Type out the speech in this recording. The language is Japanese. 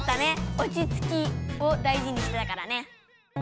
「おちつき」を大事にしてたからね！